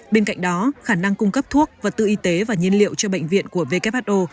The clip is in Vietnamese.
bên cạnh đó khả năng cung cấp thuốc vật tư y tế và nhiên liệu cho bệnh viện của who